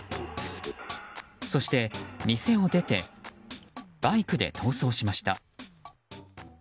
そして、店を出てバイクで逃走しました。